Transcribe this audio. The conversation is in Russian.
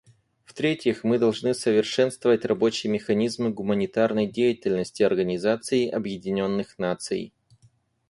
В-третьих, мы должны совершенствовать рабочий механизм гуманитарной деятельности Организации Объединенных Наций.